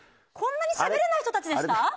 こんなにしゃべれない人たちでした？